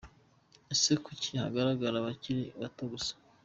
Ese kuki hagaragara abakiri bato gusa ?